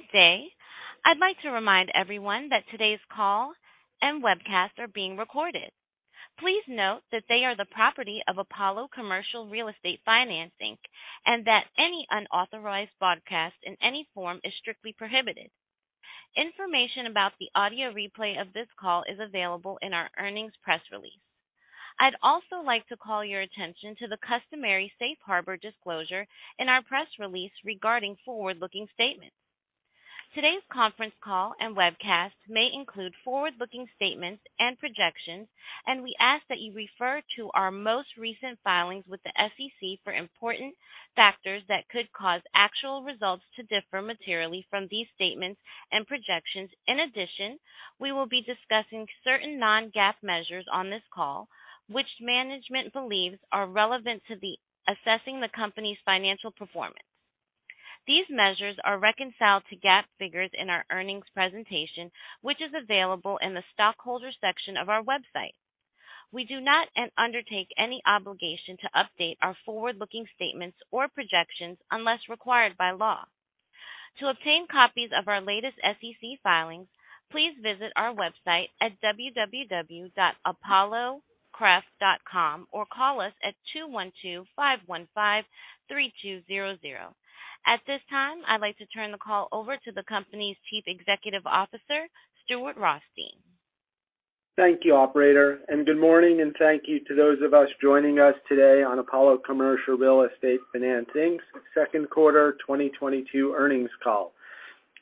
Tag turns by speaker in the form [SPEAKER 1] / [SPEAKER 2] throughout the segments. [SPEAKER 1] Good day. I'd like to remind everyone that today's call and webcast are being recorded. Please note that they are the property of Apollo Commercial Real Estate Finance, and that any unauthorized broadcast in any form is strictly prohibited. Information about the audio replay of this call is available in our earnings press release. I'd also like to call your attention to the customary safe harbor disclosure in our press release regarding forward-looking statements. Today's conference call and webcast may include forward-looking statements and projections, and we ask that you refer to our most recent filings with the SEC for important factors that could cause actual results to differ materially from these statements and projections. In addition, we will be discussing certain non-GAAP measures on this call, which management believes are relevant to assessing the company's financial performance. These measures are reconciled to GAAP figures in our earnings presentation, which is available in the Shareholders section of our website. We do not, and undertake any obligation to update our forward-looking statements or projections unless required by law. To obtain copies of our latest SEC filings, please visit our website at www.apollocref.com or call us at 212-515-3200. At this time, I'd like to turn the call over to the company's Chief Executive Officer, Stuart Rothstein.
[SPEAKER 2] Thank you, operator, and good morning and thank you to those of us joining us today on Apollo Commercial Real Estate Finance, Inc.'s second quarter 2022 earnings call.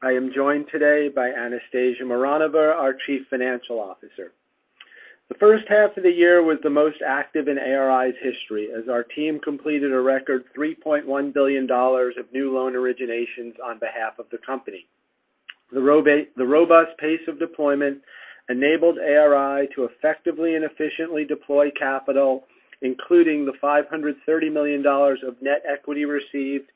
[SPEAKER 2] I am joined today by Anastasia Mironova, our Chief Financial Officer. The H1 of the year was the most active in ARI's history, as our team completed a record $3.1 billion of new loan originations on behalf of the company. The robust pace of deployment enabled ARI to effectively and efficiently deploy capital, including the $530 million of net equity received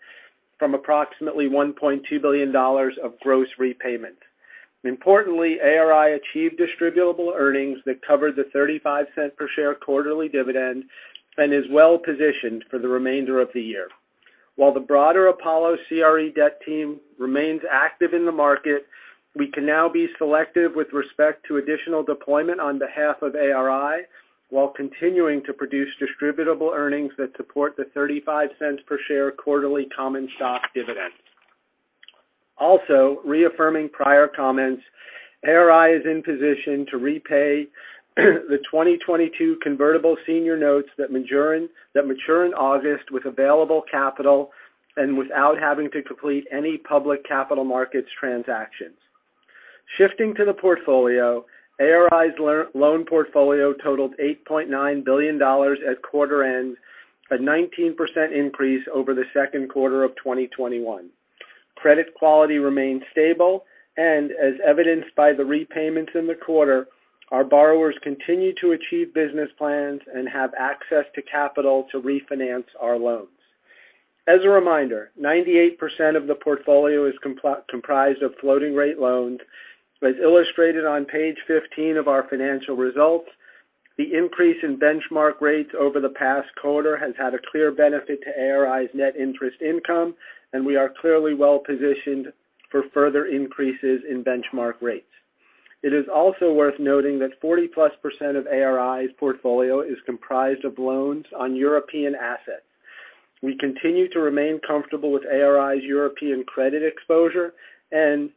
[SPEAKER 2] from approximately $1.2 billion of gross repayment. Importantly, ARI achieved distributable earnings that covered the 35-cent per share quarterly dividend and is well-positioned for the remainder of the year. While the broader Apollo CRE debt team remains active in the market, we can now be selective with respect to additional deployment on behalf of ARI while continuing to produce distributable earnings that support the $0.35 per share quarterly common stock dividend. Also, reaffirming prior comments, ARI is in position to repay the 2022 convertible senior notes that mature in August with available capital and without having to complete any public capital markets transactions. Shifting to the portfolio, ARI's loan portfolio totaled $8.9 billion at quarter end, a 19% increase over the second quarter of 2021. Credit quality remained stable. As evidenced by the repayments in the quarter, our borrowers continue to achieve business plans and have access to capital to refinance our loans. As a reminder, 98% of the portfolio is comprised of floating rate loans. As illustrated on page 15 of our financial results, the increase in benchmark rates over the past quarter has had a clear benefit to ARI's net interest income, and we are clearly well-positioned for further increases in benchmark rates. It is also worth noting that 40+% of ARI's portfolio is comprised of loans on European assets. We continue to remain comfortable with ARI's European credit exposure, and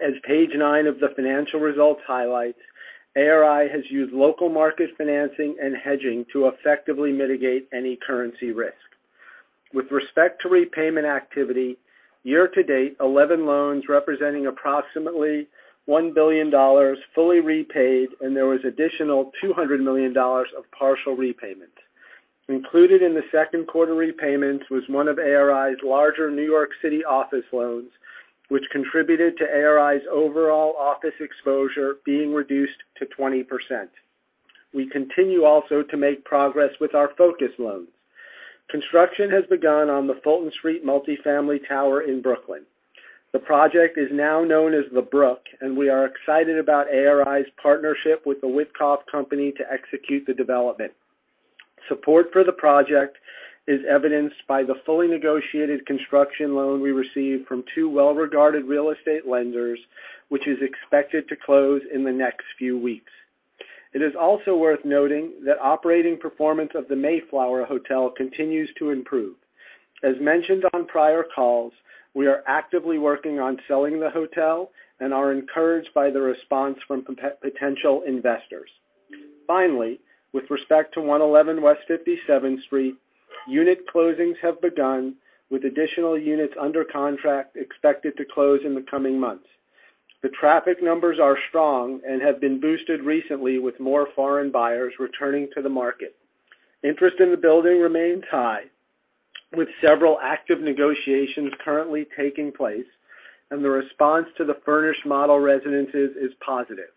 [SPEAKER 2] as page nine of the financial results highlights, ARI has used local market financing and hedging to effectively mitigate any currency risk. With respect to repayment activity, year-to-date, 11 loans representing approximately $1 billion fully repaid, and there was additional $200 million of partial repayment. Included in the second quarter repayments was one of ARI's larger New York City office loans, which contributed to ARI's overall office exposure being reduced to 20%. We continue also to make progress with our focus loans. Construction has begun on the Fulton Street multifamily tower in Brooklyn. The project is now known as The Brook, and we are excited about ARI's partnership with The Witkoff Company to execute the development. Support for the project is evidenced by the fully negotiated construction loan we received from two well-regarded real estate lenders, which is expected to close in the next few weeks. It is also worth noting that operating performance of the Mayflower Hotel continues to improve. As mentioned on prior calls, we are actively working on selling the hotel and are encouraged by the response from potential investors. Finally, with respect to One Eleven West 57th Street, unit closings have begun with additional units under contract expected to close in the coming months. The traffic numbers are strong and have been boosted recently with more foreign buyers returning to the market. Interest in the building remains high, with several active negotiations currently taking place, and the response to the furnished model residences is positive.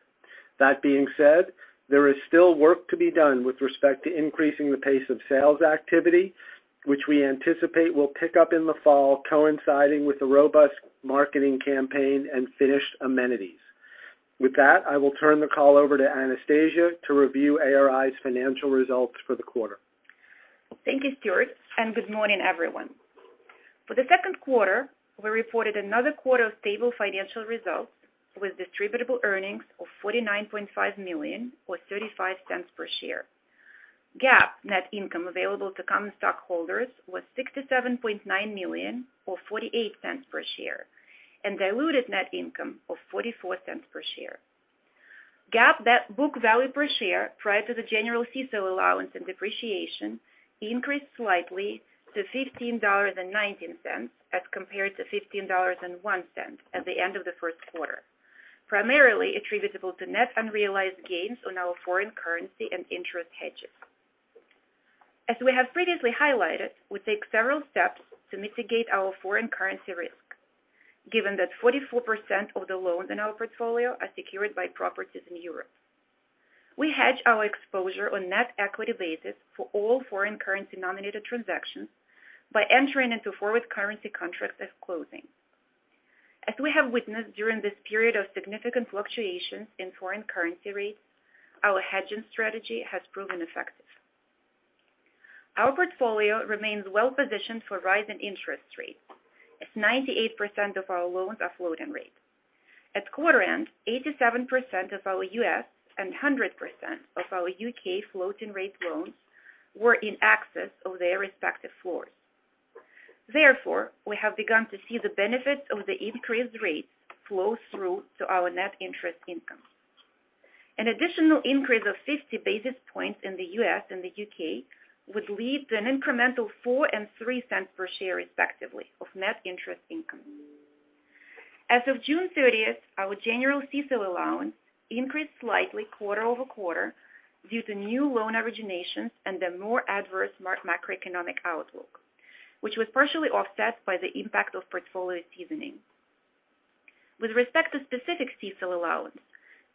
[SPEAKER 2] That being said, there is still work to be done with respect to increasing the pace of sales activity, which we anticipate will pick up in the fall coinciding with the robust marketing campaign and finished amenities. With that, I will turn the call over to Anastasia to review ARI's financial results for the quarter.
[SPEAKER 3] Thank you, Stuart, and good morning, everyone. For the second quarter, we reported another quarter of stable financial results with distributable earnings of $49.5 million or $0.35 per share. GAAP net income available to common stockholders was $67.9 million or $0.48 per share, and diluted net income of $0.44 per share. GAAP net book value per share prior to the general CECL allowance and depreciation increased slightly to $15.19 as compared to $15.01 at the end of the first quarter, primarily attributable to net unrealized gains on our foreign currency and interest hedges. We have previously highlighted, we take several steps to mitigate our foreign currency risk, given that 44% of the loans in our portfolio are secured by properties in Europe. We hedge our exposure on net equity basis for all foreign currency denominated transactions by entering into forward currency contracts at closing. As we have witnessed during this period of significant fluctuations in foreign currency rates, our hedging strategy has proven effective. Our portfolio remains well positioned for rising interest rates as 98% of our loans are floating rate. At quarter-end, 87% of our U.S. and 100% of our U.K. floating rate loans were in excess of their respective floors. Therefore, we have begun to see the benefits of the increased rates flow through to our net interest income. An additional increase of 50 basis points in the U.S. and the U.K. would lead to an incremental $0.04 and $0.03 per share respectively of net interest income. As of June thirtieth, our general CECL allowance increased slightly quarter-over-quarter due to new loan originations and a more adverse macroeconomic outlook, which was partially offset by the impact of portfolio seasoning. With respect to specific CECL allowance,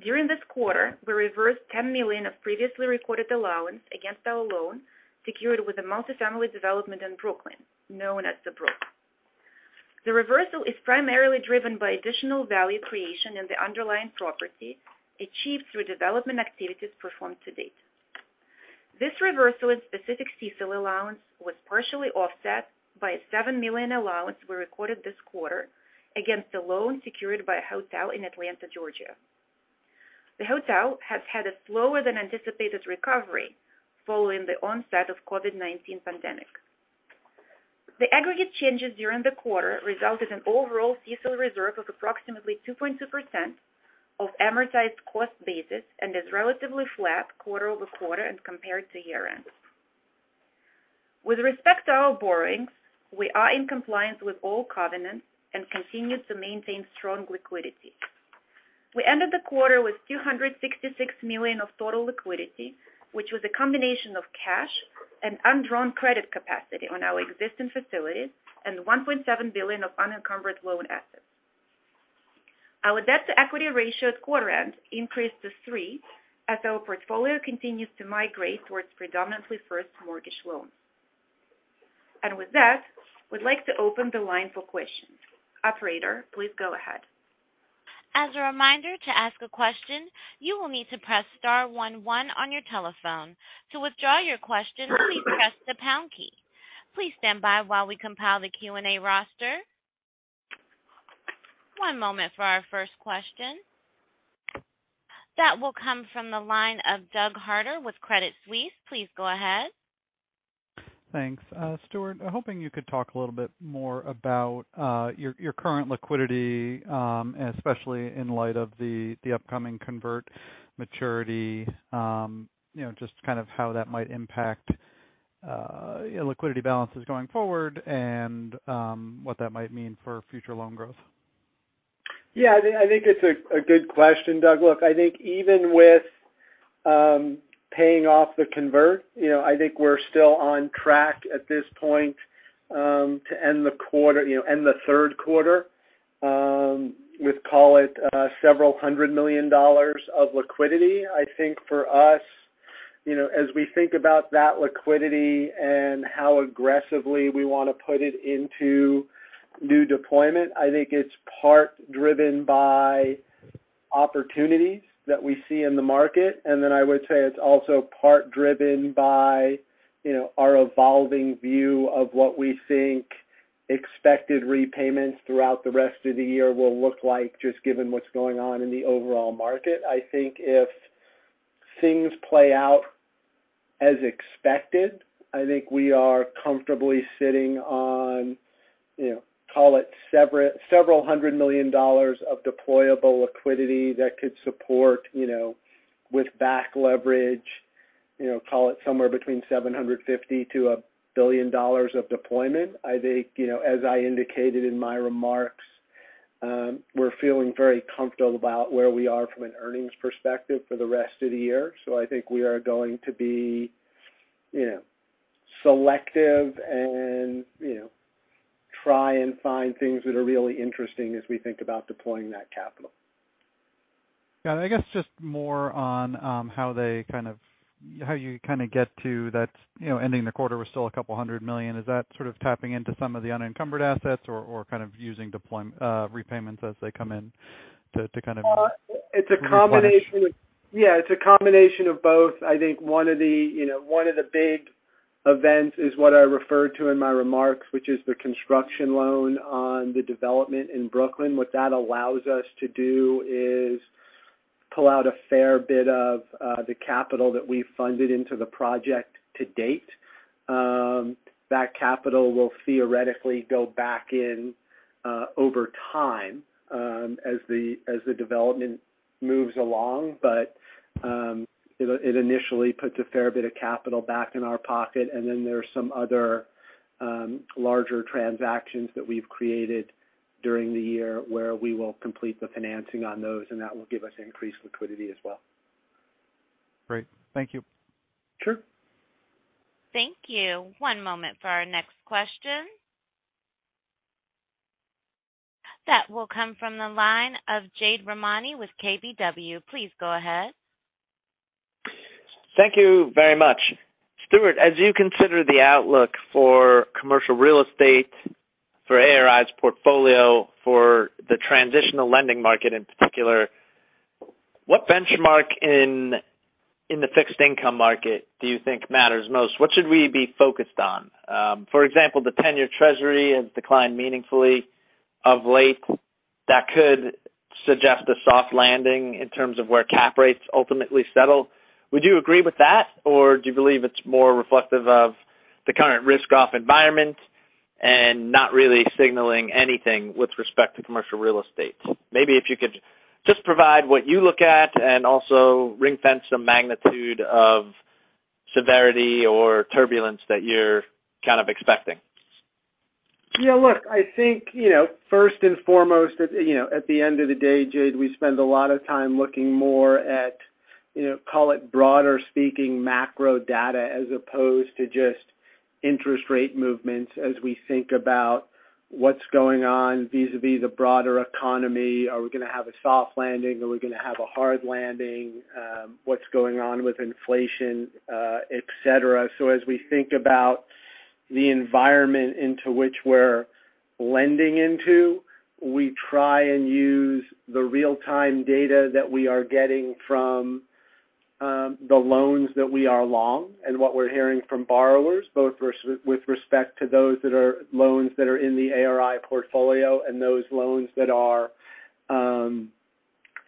[SPEAKER 3] during this quarter, we reversed $10 million of previously recorded allowance against our loan secured with a multifamily development in Brooklyn known as The Brook. The reversal is primarily driven by additional value creation in the underlying property achieved through development activities performed to date. This reversal in specific CECL allowance was partially offset by a $7 million allowance we recorded this quarter against a loan secured by a hotel in Atlanta, Georgia. The hotel has had a slower than anticipated recovery following the onset of COVID-19 pandemic. The aggregate changes during the quarter resulted in overall CECL reserve of approximately 2.2% of amortized cost basis and is relatively flat quarter-over-quarter and compared to year-end. With respect to our borrowings, we are in compliance with all covenants and continue to maintain strong liquidity. We ended the quarter with $266 million of total liquidity, which was a combination of cash and undrawn credit capacity on our existing facilities and $1.7 billion of unencumbered loan assets. Our debt-to-equity ratio at quarter end increased to three as our portfolio continues to migrate towards predominantly first mortgage loans. With that, we'd like to open the line for questions. Operator, please go ahead.
[SPEAKER 1] As a reminder, to ask a question, you will need to press star one one on your telephone. To withdraw your question, please press the pound key. Please stand by while we compile the Q&A roster. One moment for our first question. That will come from the line of Doug Harter with Credit Suisse. Please go ahead.
[SPEAKER 4] Thanks. Stuart, I'm hoping you could talk a little bit more about your current liquidity, especially in light of the upcoming convert maturity. You know, just kind of how that might impact liquidity balances going forward and what that might mean for future loan growth.
[SPEAKER 2] Yeah, I think it's a good question, Doug. Look, I think even with paying off the convert, you know, I think we're still on track at this point to end the quarter, you know, end the third quarter, with call it several hundred million dollars of liquidity. I think for us, you know, as we think about that liquidity and how aggressively we wanna put it into new deployment, I think it's part driven by opportunities that we see in the market. Then I would say it's also part driven by, you know, our evolving view of what we think expected repayments throughout the rest of the year will look like just given what's going on in the overall market. I think if things play out as expected, I think we are comfortably sitting on, you know, call it $several hundred million of deployable liquidity that could support, you know, with back leverage, you know, call it somewhere between $750 million-$1 billion of deployment. I think, you know, as I indicated in my remarks, we're feeling very comfortable about where we are from an earnings perspective for the rest of the year. I think we are going to be, you know, selective and, you know, try and find things that are really interesting as we think about deploying that capital.
[SPEAKER 4] Yeah. I guess just more on how you kind of get to that, you know, ending the quarter with still $200 million. Is that sort of tapping into some of the unencumbered assets or kind of using repayments as they come in to kind of replenish?
[SPEAKER 2] Yeah, it's a combination of both. I think one of the, you know, one of the big events is what I referred to in my remarks, which is the construction loan on the development in Brooklyn. What that allows us to do is pull out a fair bit of the capital that we funded into the project to date. That capital will theoretically go back in over time as the development moves along. It initially puts a fair bit of capital back in our pocket, and then there's some other larger transactions that we've created during the year where we will complete the financing on those, and that will give us increased liquidity as well.
[SPEAKER 4] Great. Thank you.
[SPEAKER 2] Sure.
[SPEAKER 1] Thank you. One moment for our next question. That will come from the line of Jade Rahmani with KBW. Please go ahead.
[SPEAKER 5] Thank you very much. Stuart, as you consider the outlook for commercial real estate for ARI's portfolio, for the transitional lending market in particular, what benchmark in the fixed income market do you think matters most? What should we be focused on? For example, the 10-Year Treasury has declined meaningfully of late. That could suggest a soft landing in terms of where cap rates ultimately settle. Would you agree with that, or do you believe it's more reflective of the current risk-off environment and not really signaling anything with respect to commercial real estate? Maybe if you could just provide what you look at and also ring fence some magnitude of severity or turbulence that you're kind of expecting.
[SPEAKER 2] Yeah, look, I think, you know, first and foremost, you know, at the end of the day, Jade, we spend a lot of time looking more at, you know, call it broader speaking macro data as opposed to just interest rate movements as we think about what's going on vis-a-vis the broader economy. Are we gonna have a soft landing? Are we gonna have a hard landing? What's going on with inflation, et cetera. As we think about the environment into which we're lending into, we try and use the real-time data that we are getting from the loans that we are long and what we're hearing from borrowers, both with respect to those that are loans in the ARI portfolio and those loans that are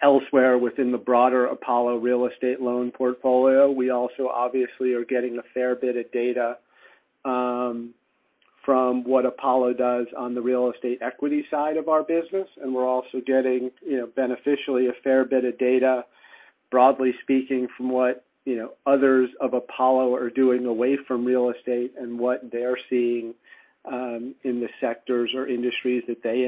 [SPEAKER 2] elsewhere within the broader Apollo real estate loan portfolio. We also obviously are getting a fair bit of data from what Apollo does on the real estate equity side of our business, and we're also getting, you know, beneficially a fair bit of data, broadly speaking from what, you know, others of Apollo are doing away from real estate and what they're seeing in the sectors or industries that they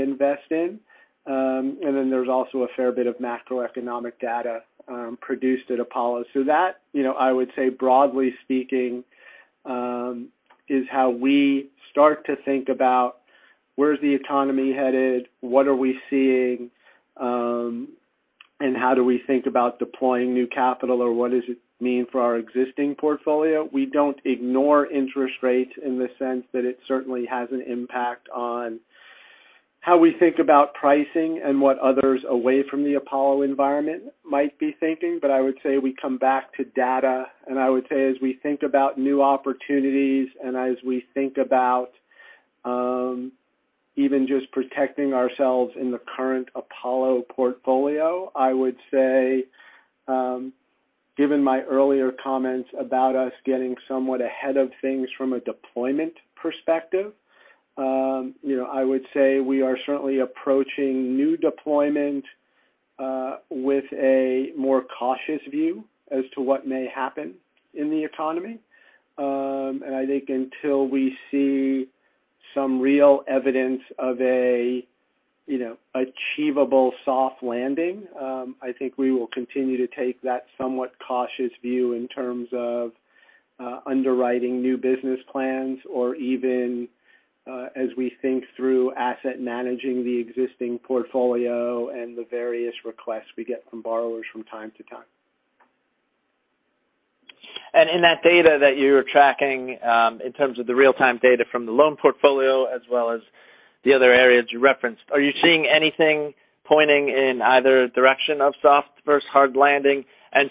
[SPEAKER 2] invest in. There's also a fair bit of macroeconomic data produced at Apollo. That, you know, I would say broadly speaking is how we start to think about where's the economy headed, what are we seeing, and how do we think about deploying new capital, or what does it mean for our existing portfolio. We don't ignore interest rates in the sense that it certainly has an impact on how we think about pricing and what others away from the Apollo environment might be thinking. I would say we come back to data, and I would say as we think about new opportunities and as we think about even just protecting ourselves in the current Apollo portfolio, I would say, given my earlier comments about us getting somewhat ahead of things from a deployment perspective, you know, I would say we are certainly approaching new deployment with a more cautious view as to what may happen in the economy. I think until we see some real evidence of a, you know, achievable soft landing, I think we will continue to take that somewhat cautious view in terms of underwriting new business plans or even as we think through asset managing the existing portfolio and the various requests we get from borrowers from time to time.
[SPEAKER 5] In that data that you're tracking, in terms of the real-time data from the loan portfolio as well as the other areas you referenced, are you seeing anything pointing in either direction of soft versus hard landing?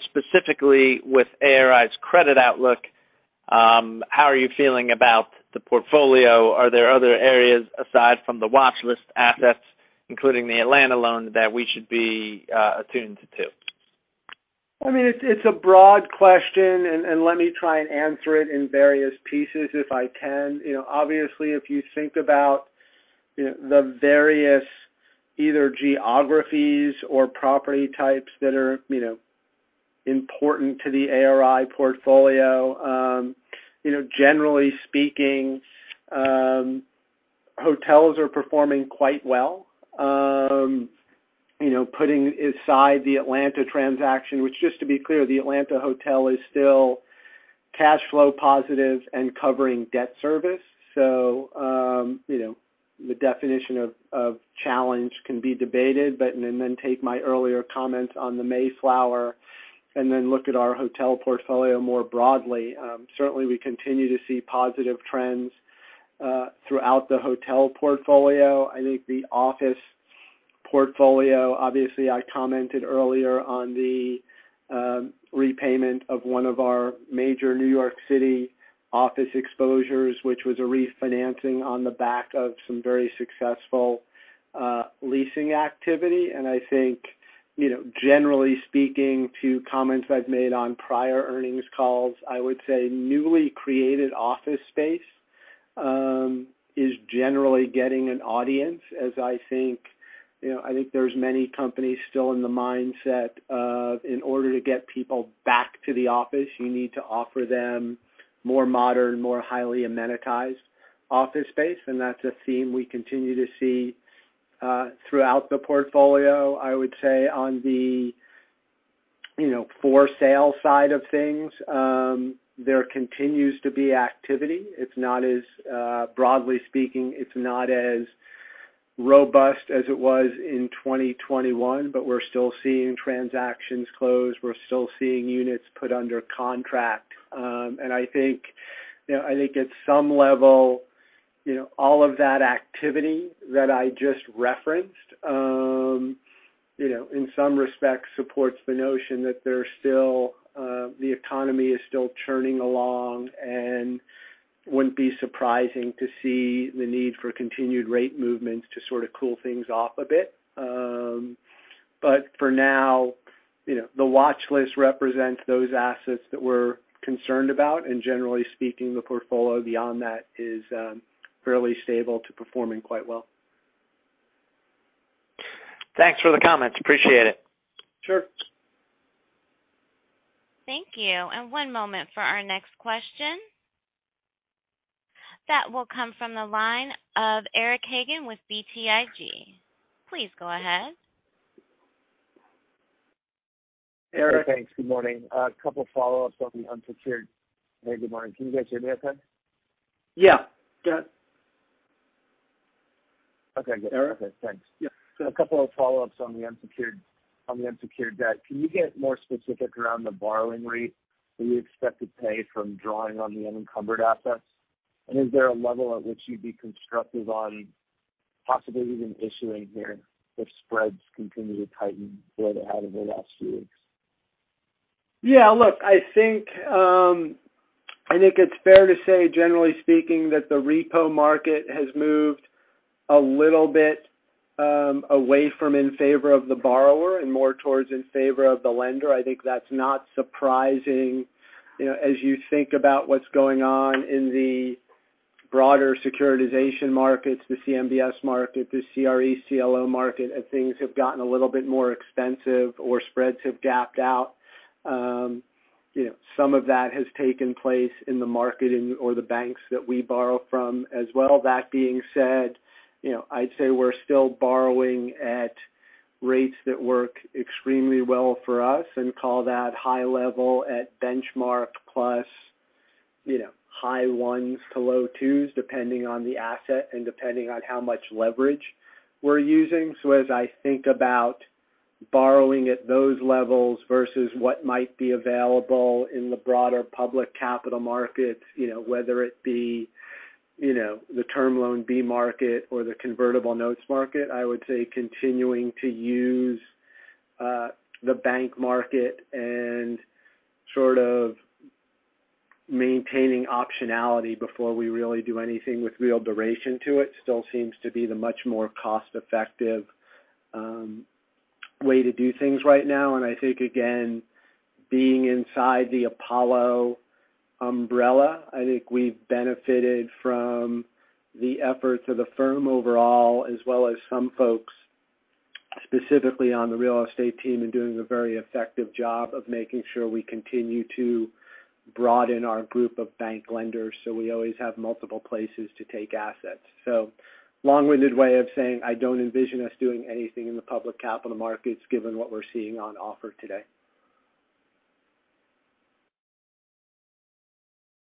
[SPEAKER 5] Specifically with ARI's credit outlook, how are you feeling about the portfolio? Are there other areas aside from the watch list assets, including the Atlanta loan that we should be attuned to?
[SPEAKER 2] I mean, it's a broad question, and let me try and answer it in various pieces if I can. You know, obviously, if you think about, you know, the various either geographies or property types that are, you know, important to the ARI portfolio, generally speaking, hotels are performing quite well. You know, putting aside the Atlanta transaction, which just to be clear, the Atlanta hotel is still cash flow positive and covering debt service. So, you know, the definition of challenge can be debated, but, and then take my earlier comments on the Mayflower. And then look at our hotel portfolio more broadly. Certainly we continue to see positive trends throughout the hotel portfolio. I think the office portfolio, obviously, I commented earlier on the repayment of one of our major New York City office exposures, which was a refinancing on the back of some very successful leasing activity. I think, you know, generally speaking to comments I've made on prior earnings calls, I would say newly created office space is generally getting an audience as I think you know I think there's many companies still in the mindset of in order to get people back to the office, you need to offer them more modern, more highly amenitized office space. That's a theme we continue to see throughout the portfolio. I would say on the, you know, for sale side of things, there continues to be activity. Broadly speaking, it's not as robust as it was in 2021, but we're still seeing transactions close. We're still seeing units put under contract. I think, you know, I think at some level, you know, all of that activity that I just referenced, you know, in some respects supports the notion that there's still, the economy is still churning along and wouldn't be surprising to see the need for continued rate movements to sort of cool things off a bit. For now, you know, the watch list represents those assets that we're concerned about, and generally speaking, the portfolio beyond that is, fairly stable to performing quite well.
[SPEAKER 5] Thanks for the comments. Appreciate it.
[SPEAKER 2] Sure.
[SPEAKER 1] Thank you. One moment for our next question. That will come from the line of Eric Hagen with BTIG. Please go ahead.
[SPEAKER 2] Eric.
[SPEAKER 6] Eric, thanks. Good morning. A couple follow-ups on the unsecured. Hey, good morning. Can you guys hear me okay?
[SPEAKER 2] Yeah. Yeah.
[SPEAKER 6] Okay, good.
[SPEAKER 2] Eric?
[SPEAKER 6] Okay, thanks.
[SPEAKER 2] Yeah.
[SPEAKER 6] A couple of follow-ups on the unsecured debt. Can you get more specific around the borrowing rate that you expect to pay from drawing on the unencumbered assets? Is there a level at which you'd be constructive on possibly even issuing here if spreads continue to tighten further out over the last few weeks?
[SPEAKER 2] Yeah, look, I think it's fair to say, generally speaking, that the repo market has moved a little bit, away from in favor of the borrower and more towards in favor of the lender. I think that's not surprising, you know, as you think about what's going on in the broader securitization markets, the CMBS market, the CRE CLO market, as things have gotten a little bit more expensive or spreads have gapped out. You know, some of that has taken place in the market or the banks that we borrow from as well. That being said, you know, I'd say we're still borrowing at rates that work extremely well for us. I'd call that, at a high level, benchmark plus, you know, high ones to low twos, depending on the asset and depending on how much leverage we're using. As I think about borrowing at those levels versus what might be available in the broader public capital markets, you know, whether it be, you know, the term loan B market or the convertible notes market, I would say continuing to use the bank market and sort of maintaining optionality before we really do anything with real duration to it still seems to be the much more cost-effective way to do things right now. I think, again, being inside the Apollo umbrella, I think we've benefited from the efforts of the firm overall as well as some folks specifically on the real estate team in doing a very effective job of making sure we continue to broaden our group of bank lenders, so we always have multiple places to take assets. Long-winded way of saying I don't envision us doing anything in the public capital markets given what we're seeing on offer today.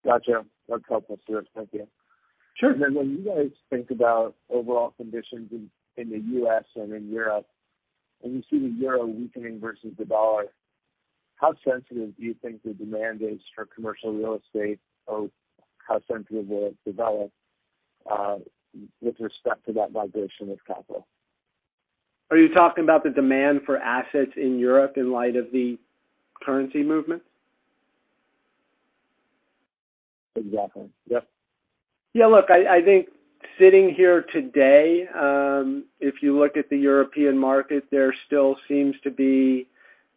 [SPEAKER 6] Gotcha. That's helpful, sir. Thank you.
[SPEAKER 2] Sure.
[SPEAKER 6] When you guys think about overall conditions in the U.S. and in Europe, and you see the euro weakening versus the dollar, how sensitive do you think the demand is for commercial real estate, or how sensitive will it develop with respect to that migration of capital?
[SPEAKER 2] Are you talking about the demand for assets in Europe in light of the currency movement?
[SPEAKER 6] Exactly. Yep.
[SPEAKER 2] Yeah, look, I think sitting here today, if you look at the European market, there still seems to be,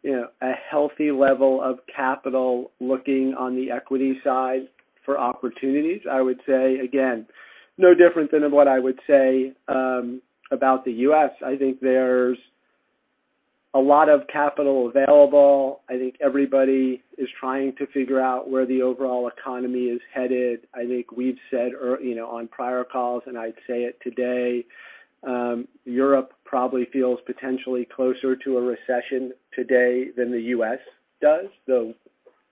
[SPEAKER 2] you know, a healthy level of capital looking on the equity side for opportunities. I would say, again, no different than what I would say, about the U.S. I think there's a lot of capital available. I think everybody is trying to figure out where the overall economy is headed. I think we've said you know, on prior calls, and I'd say it today, Europe probably feels potentially closer to a recession today than the U.S. does, though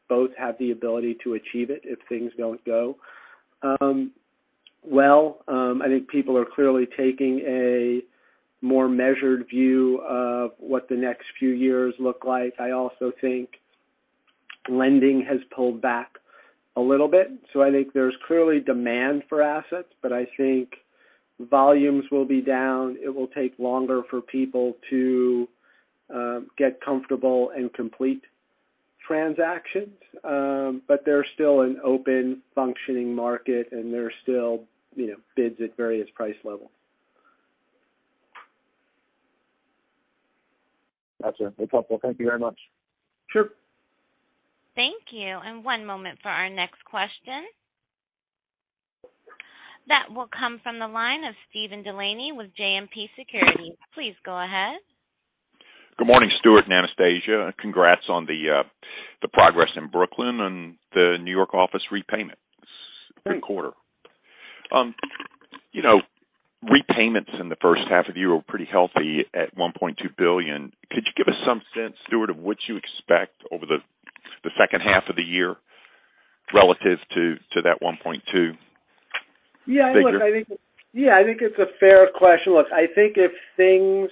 [SPEAKER 2] both have the ability to achieve it if things don't go. Well, I think people are clearly taking a more measured view of what the next few years look like. I also think lending has pulled back a little bit, so I think there's clearly demand for assets, but I think volumes will be down. It will take longer for people to get comfortable and complete transactions. There's still an open functioning market, and there are still, you know, bids at various price levels.
[SPEAKER 6] Gotcha. Well, thank you very much.
[SPEAKER 2] Sure.
[SPEAKER 1] Thank you. One moment for our next question. That will come from the line of Steve DeLaney with JMP Securities. Please go ahead.
[SPEAKER 7] Good morning, Stuart and Anastasia. Congrats on the progress in Brooklyn and the New York office repayments. Great quarter. You know, repayments in the H1 of the year were pretty healthy at $1.2 billion. Could you give us some sense, Stuart, of what you expect over the H2 of the year relative to that $1.2 billion figure?
[SPEAKER 2] Yeah. Look, I think. Yeah, I think it's a fair question. Look, I think if things,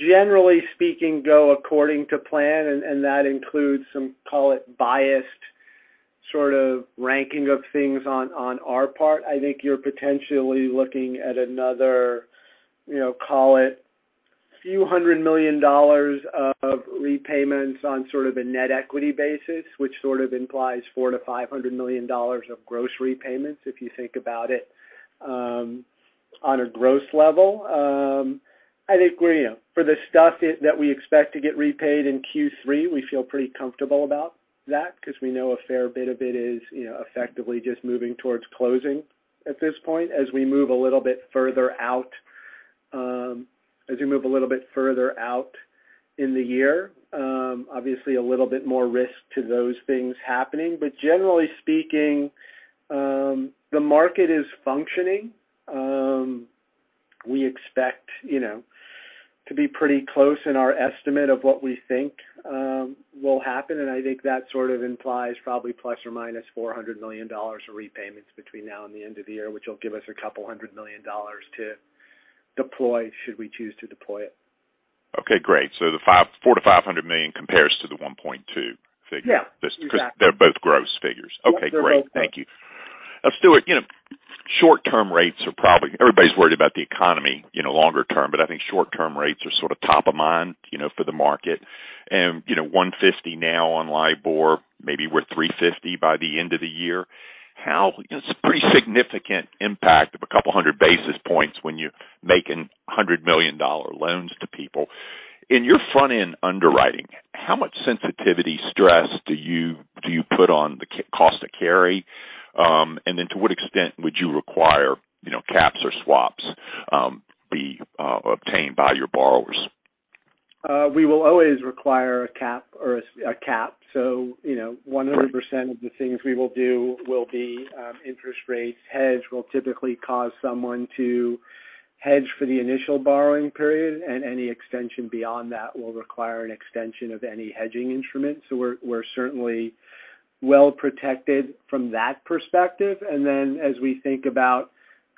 [SPEAKER 2] generally speaking, go according to plan, and that includes some, call it, biased sort of ranking of things on our part, I think you're potentially looking at another, you know, call it, $few hundred million of repayments on sort of a net equity basis, which sort of implies $400 million-$500 million of gross repayments if you think about it, on a gross level. I think we're, you know, for the stuff that we expect to get repaid in Q3, we feel pretty comfortable about that because we know a fair bit of it is, you know, effectively just moving towards closing at this point. As we move a little bit further out in the year, obviously a little bit more risk to those things happening. Generally speaking, the market is functioning. We expect, you know, to be pretty close in our estimate of what we think will happen, and I think that sort of implies probably ±$400 million of repayments between now and the end of the year, which will give us $200 million to deploy should we choose to deploy it.
[SPEAKER 7] Okay, great. The $400 million-$500 million compares to the 1.2 figure.
[SPEAKER 2] Yeah, exactly.
[SPEAKER 7] Just 'cause they're both gross figures.
[SPEAKER 2] Yes, they're both gross.
[SPEAKER 7] Okay, great. Thank you. Stuart, you know, short-term rates are probably. Everybody's worried about the economy, you know, longer term, but I think short-term rates are sort of top of mind, you know, for the market. You know, 150 now on LIBOR, maybe we're 350 by the end of the year. It's a pretty significant impact of a couple hundred basis points when you're making $100 million loans to people. In your front-end underwriting, how much sensitivity stress do you put on the cost to carry? To what extent would you require, you know, caps or swaps be obtained by your borrowers?
[SPEAKER 2] We will always require a cap. You know, 100% of the things we will do will be interest rate hedge. Hedge will typically cause someone to hedge for the initial borrowing period, and any extension beyond that will require an extension of any hedging instrument. We're certainly well protected from that perspective. As we think about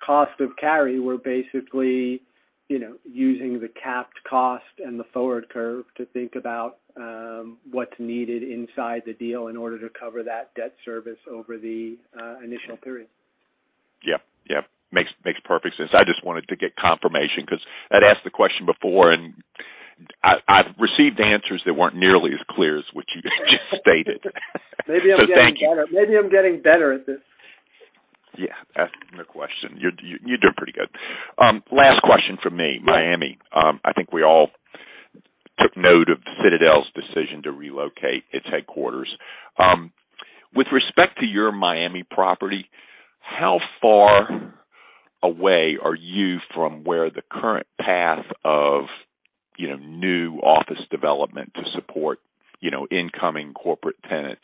[SPEAKER 2] cost of carry, we're basically, you know, using the capped cost and the forward curve to think about what's needed inside the deal in order to cover that debt service over the initial period.
[SPEAKER 7] Yeah. Yeah. Makes perfect sense. I just wanted to get confirmation because I'd asked the question before and I've received answers that weren't nearly as clear as what you just stated.
[SPEAKER 2] Maybe I'm getting better.
[SPEAKER 7] Thank you.
[SPEAKER 2] Maybe I'm getting better at this.
[SPEAKER 7] Yeah. Asking the question. You're doing pretty good. Last question from me. Miami. I think we all took note of Citadel's decision to relocate its headquarters. With respect to your Miami property, how far away are you from where the current path of, you know, new office development to support, you know, incoming corporate tenants.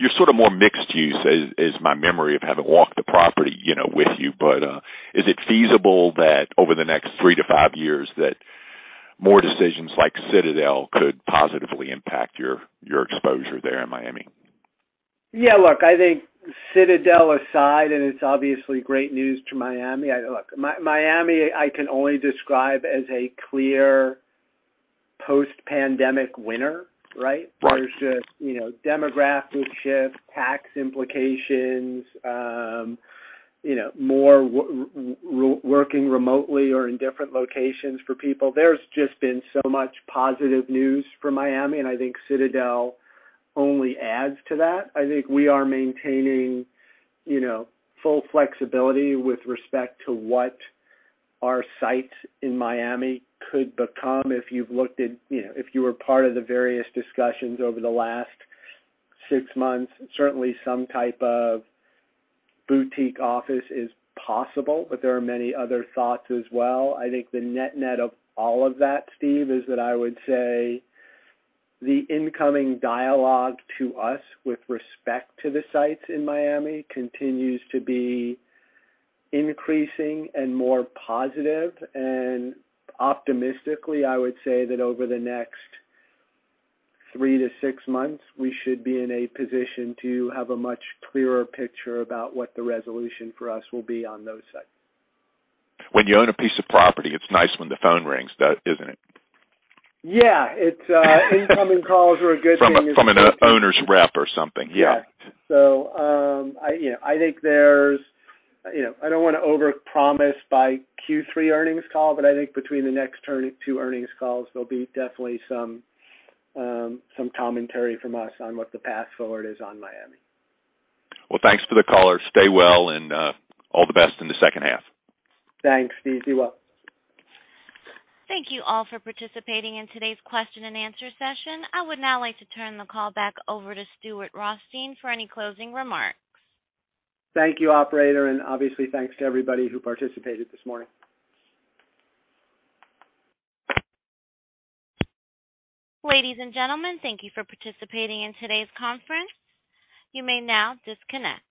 [SPEAKER 7] You're sort of more mixed use is my memory of having walked the property, you know, with you. Is it feasible that over the next three to five years that more decisions like Citadel could positively impact your exposure there in Miami? Yeah, look, I think Citadel aside, and it's obviously great news to Miami. Look, Miami, I can only describe as a clear post-pandemic winner, right? Right.
[SPEAKER 2] There's just, you know, demographic shift, tax implications, you know, more working remotely or in different locations for people. There's just been so much positive news for Miami, and I think Citadel only adds to that. I think we are maintaining, you know, full flexibility with respect to what our sites in Miami could become. If you've looked at, you know, if you were part of the various discussions over the last six months, certainly some type of boutique office is possible, but there are many other thoughts as well. I think the net-net of all of that, Steve, is that I would say the incoming dialogue to us with respect to the sites in Miami continues to be increasing and more positive. Optimistically, I would say that over the next three-six months, we should be in a position to have a much clearer picture about what the resolution for us will be on those sites.
[SPEAKER 7] When you own a piece of property, it's nice when the phone rings, doesn't it?
[SPEAKER 2] Yeah. Incoming calls are a good thing.
[SPEAKER 7] From an owner's rep or something. Yeah.
[SPEAKER 2] You know, I think there's. You know, I don't wanna overpromise by Q3 earnings call, but I think between the next two earnings calls, there'll be definitely some commentary from us on what the path forward is on Miami.
[SPEAKER 7] Well, thanks for the color. Stay well, and, all the best in the H2.
[SPEAKER 2] Thanks, Steve. You well.
[SPEAKER 1] Thank you all for participating in today's question and answer session. I would now like to turn the call back over to Stuart Rothstein for any closing remarks.
[SPEAKER 2] Thank you, operator, and obviously, thanks to everybody who participated this morning.
[SPEAKER 1] Ladies and gentlemen, thank you for participating in today's conference. You may now disconnect.